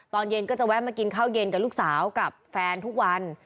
ตอนเย็นก็จะแวะมากินข้าวเย็นกับลูกสาวกับแฟนทุกวัน